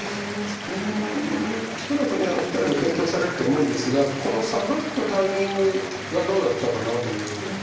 恐らくお二人も検討されると思うんですがこのサガったタイミングがどうだったかなという。